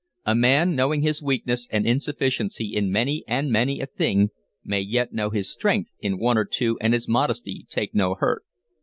A man, knowing his weakness and insufficiency in many and many a thing, may yet know his strength in one or two and his modesty take no hurt.